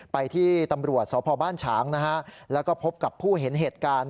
ไปที่ตำรวจสพบ้านฉางนะฮะแล้วก็พบกับผู้เห็นเหตุการณ์